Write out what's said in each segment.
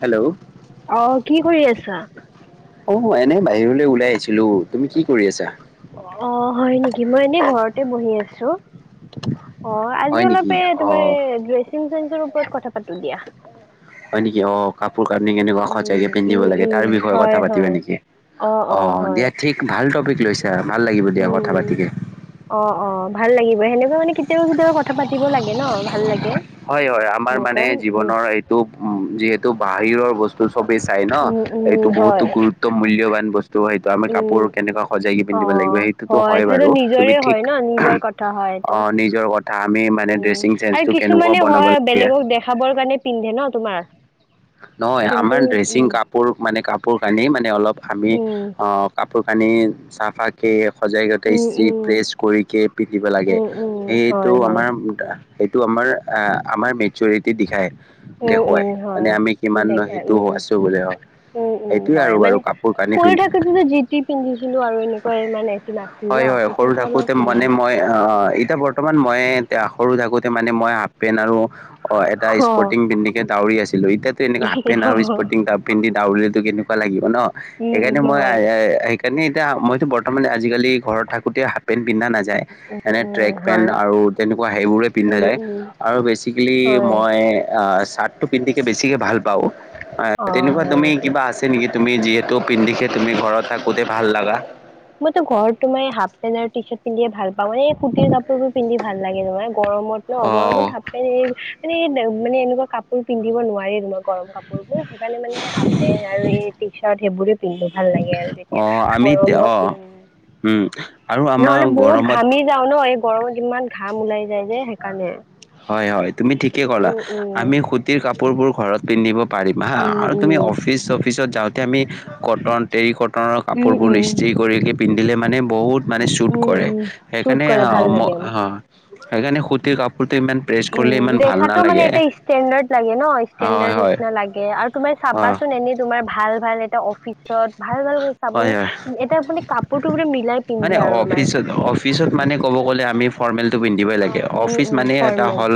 Hello. অ', কি কৰি আছা? অ, 'এনে বাহিৰলৈ ওলাই আহিছিলো তুমি কি কৰি আছা? অ, ' হয় নেকি? মই এনেই ঘৰতে বহি আছো। অ', আজি হয় নেকি অলপে তুমি অ' ড্ৰেচিং চেঞ্চে ৰ ওপৰত কথা পাতো দিয়া। হয় নিকি? অ', কাপোৰ কানি কেনেকুৱা সজায়কে উম উম পিন্ধিব লাগে উম তাৰ বিষয় হয় কথা পাতিবা হয় নিকি? অ', অ', হয়। ভাল টপিক লৈছা, ভাল লাগিব দিয়া কথা উম পাতিকে। অ', অ', ভাল লাগিব সেনেকুৱা মানে কেতিয়াৱা, কেতিয়াৱা কথা পাতিব লাগে ন, ভাল লাগে। হয়, হয় আমাৰ মানে সেনেকুৱা জীৱনৰ উম এইটো উ, যিহেতু বাহিৰৰ বস্তু তু সবেই চাই ন, উম এইটো উম বহুতো হয় গুৰুত্ব মূল্যবান বস্তু হয়। ত' আমি উম কাপোৰ কেনেকুৱা সজাই কি অ পিন্ধিব লাগিব, সেইটোতো হয় এইটোতো বাৰু তুমি নিজৰে ঠিক হয় ন নিজৰ কথা হয় এইটো অ', নিজৰ কথা আমি মানে উম ড্ৰেচিং আৰু চেন্সটো কেনুকুৱা কিছুমানে বনাব? হয় বেলেগক [unintelligible] দেখাবৰ কাৰণে পিন্ধে ন তোমাৰ? নহয় কিন্তু আমাৰ ড্ৰেচিং উম কাপোৰ মানে, কাপোৰ কানি মানে অলপ আমি, উম, অ' কাপোৰ কানি চাফাত কে সজাই গোটেই উম, ইস্ত্ৰী উম, প্ৰেছ কৰিকে পিন্ধিব লাগে। উম, উম, সেইটো হয়, হয়, আমাৰ সেইটো আমাৰ আ-আমাৰ মেচিউৰিটি দিখাই, উম, দেখুৱাই। উম, মানে হয়। আমি কিমান সেইটো আছো বুলি অ'। উ, উ, হয়। মানে সৰু থাকোতে যে জিতি পিন্ধিছিলো আৰু এনেকুৱাই মানে। হয়, হয়, সৰু থাকোতে মনে মই অ', এইতা বৰ বৰ্তমান মই এ, সৰু থাকোতে মানে মই হাফ পেণ্ট আৰু অ', এটা অ', স্পৰ্টিং পিন্ধিকে দাউৰি আছি কিন্ত এতিয়াতো তেনেকুৱা হাফ পেণ্ট আৰু স্প'ৰ্টিং তাব পিন্ধি দাউৰিলেতো কেনেকুৱা লাগিব ন, উম, উম, সেইকাৰণে মই হয়, আই আই আইক এনে এতিয়া মইতো বৰ্তমান আজিকালি ঘৰত থাকোতে হাফ পেণ্ট পিন্ধা নাযায়। উম, এনে উম, ট্ৰেক হয়, পেন্ট আৰু তেনেকুৱা সেইবোৰে পিন্ধা উম, যায়। উম, আৰু বেচিকেলি হয়, মই অ', চাৰ্টটো পিন্ধিকে বেছিকে ভাল পাওঁ। অ', তেনেকুৱা হয় তুমি নেকি? কিবা আছে নেকি, তুমি যিহেতু পিন্ধিকে তুমি ঘৰত থাকোতে ভাল লাগা? মইতো ঘৰত তোমাৰ হাফ পেণ্ট আৰ টি চাৰ্ট পিন্ধিয়ে ভাল পাওঁ, এ কুটিৰ কাপোৰবোৰ পিন্ধি ভাল লাগে নহয়, গৰমত ন অ গৰমত হাফ মানে এনে মানে এনেকুৱা কাপোৰ পিন্ধিব নোৱাৰে ৰোমত। গৰম কাপোৰবোৰ, সেইকাৰণে মানে হাফ পেণ আৰু এই টি চাৰ্ট সেইবোৰ পিন্ধো ভাল লাগে আৰু অ তেতিয়া আমি তে- অ গৰমত উ, উম আৰু আমাৰ নহ'লে বহুত গৰমত ঘামি মি যাও ন, এই গৰমত ইমান ঘাম ওলাই যায় যে সেইকাৰণে। হয় উ, উ,। তিৰ কাপোৰবোৰ ঘৰত পিন্ধিব পাৰিম হাঁ উম আৰু উম তুমি অফিচ চফিচত যাওঁতে আমি কটন তেৰিকটনৰ উম কাপোৰবোৰ ইস্ত্ৰী উম কৰিকে পিন্ধিলে মানে বহুত মানে শ্বুট উম কৰে উম চুট সেইকাৰণে কৰে ভাল অ', ম, লাগে হাঁ, সেইকাৰণে সুতিৰ কাপোৰটো ইমান প্ৰেছ উ, কৰিলে ইমান ভাল দেখাটো মানে নালাগে এটা ষ্টেণ্ডাৰ্ড লাগে ন, হয় ষ্টেণ্ডাৰ্ড হয় নিচিনা লাগে আৰু তোমাৰ অ চাবাচোন এনে তোমাৰ ভাল, ভাল এটা অফি চত ভাল, ভাল হয় আপুনি হয় এটা আপুনি কাপোৰটো বোলে মিলাই মানে পিন্ধে আৰু মা অফিচত অফিচত মানে ক'ব গ'লে আমি ফৰ্মেলটো পিন্ধিবই লাগে। উম, অফিচ উম, মানে এটা ফৰ্মেল হ'ল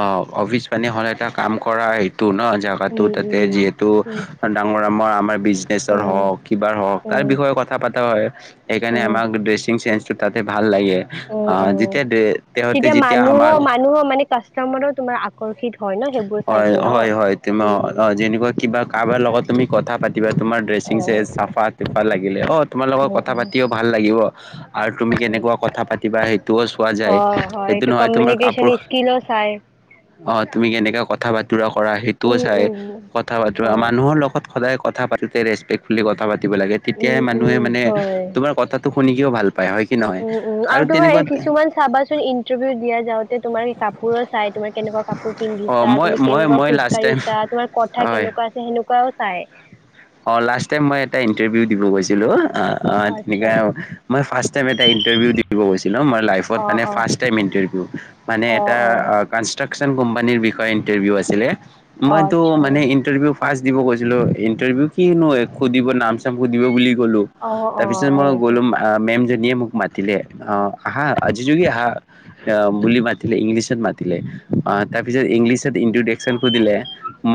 অ', অফিচ মানে হ'ল এটা কাম কৰা এই টো ন, জাগাটো উম, তাতে উম, যিহেতু উম, ডাঙৰ আমাৰ আমাৰ বিজ উম, হওক, কিবাৰ হওক তাৰ উম, বিষয়ে কথা পাতা হয় সেইকাৰণে উম, আমাক ড্ৰেচি ড্ৰেচিং ছেন্সটো তাতে ভাল লাগে। উম, অ', যেতিয়া ড্ৰে তেহতি যেতিয়া আমাৰ নহয় মানে কাচ [unintelligible] অৰ্কিড হয়। ন সেইবোৰ চাই হয়, কিনে অ'। হয়, হয়, তিমাও উম, অ', যেনেকুৱা কিবা কাৰবাৰ লগত তুমি কথা পাতিবা, তোমাৰ ড্ৰেচিং অ', ছেন্স চাফাত ভাল লাগিলে অ', তোমাৰ লগত অ', কথা অ', পাতিও ভাল লাগিব। আৰু তুমি কেনেকুৱা কথা পাতিবা সেইটোও চোৱা যায়, অ', হয় এইটো সেইটো নহয় তোমাৰ কমিউনিকেশ্যন কাপোৰ স্কিলো চাই অ তুমি কেনেকে কথা বাতৰা কৰা সেইটোও উম, চাই উম, কথা বাতৰা মানুহ হয়। মানুহৰ লগত সদায় কথা পাতোটে ৰেচপেক্টফুলী কথা পাতিব লাগে তেতিয়াহে উম, মানুহে উম, মানে হয়। তোমাৰ কথা শুনি কিয়ও ভাল পায় হয় কি নহয় উম, উম, আৰু তোমাৰ এই তেনেকুৱাত কিছুমান চাবাচোন ইণ্টাৰভিউ দিয়া যাওঁতে তোমাৰ কাপোৰো চাই তোমাৰ কেনেকুৱা কাপোৰ অ পিন্ধিছা মই তুমি মই কেনেকুৱা মই খোজ লাষ্ট টাইম কঢ়িছা তোমাৰ কথা হয় কেনেকুৱা আছে সেনেকুৱাও চাই। অ লাষ্ট টাইম মই এটা ইণ্টাৰভিউ দিব গৈছিলো অ অ' আচ্ছা, তেনেকাই আৰু, মই ফাৰ্ষ্ট টাইম এটা ইণ্টাৰভিউ দিব গৈছিলোঁ মানে লাইফত অ', মানে অ', ফাৰ্ষ্ট টাইম ইণ্টাৰভিউ। মানে অ', এটা অ', কনচ চেন কোম্পানীৰ বিষয়ে ইন্টাৰভিউ আছিলে। অ', মইতো আচ্ছা, মানে ইন্টাৰভিউ পাছ দিব গৈছিলো ইণ্টাৰভিউ কিনো এক সুধিব নাম চাম সুধিব বুলি গ'লো। অ', তাৰ অ', পিছত হয় মই নেকি? গ'লো মেম জনীয়ে মোক মাতিলে আহ আহা আজি জুৰি আহা অ বুলি মাতিলে ইংলিছত মাতিলে। আ তাৰপিছত ইংলিছত ইনট্ৰোদেকচন সুধিলে।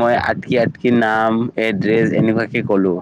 মই আটকি আটকি নাম এড্ৰেছ এনেকুৱাকে ক'লো।